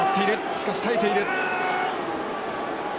しかし耐えている。